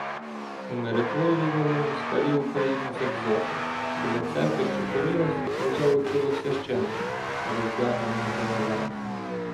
"Умиротворювали" москалі Україну завзято! Біля церкви, що курилася, лежало тіло священика, роздягненого догола.